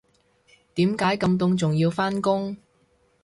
點解咁凍仲要返工